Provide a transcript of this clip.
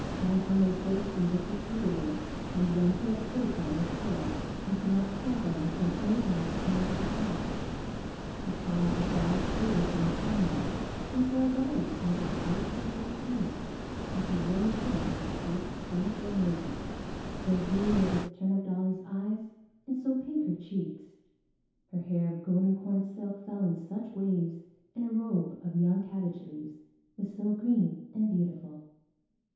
Antone made boats from bits of cedar wood, and when he had fitted them with sails you could not tell them from any that had come out of a shop. He carved a doll's cradle from a pine knot, and for a dolly painted the white face of a turnip until one would think it was the face of some fair maiden, so blue were this turnip dolly's eyes and so pink her cheeks, her hair of golden corn silk fell in such waves and her robe of young cabbage leaves was so green and beautiful.